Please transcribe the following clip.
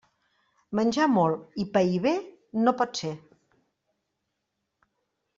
Menjar molt i pair bé no pot ser.